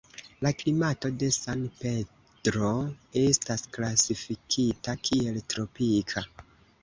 La klimato de San Pedro estas klasifikita kiel tropika.